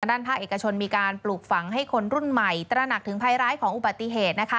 ด้านภาคเอกชนมีการปลูกฝังให้คนรุ่นใหม่ตระหนักถึงภัยร้ายของอุบัติเหตุนะคะ